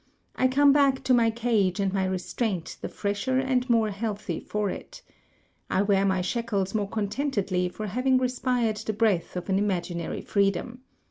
"I come back to my cage and my restraint the fresher and more healthy for it. I wear my shackles more contentedly for having respired the breath of an imaginary freedom.